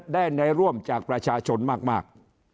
ได้แนวร่วมจากประชาชนมาก